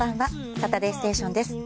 「サタデーステーション」です。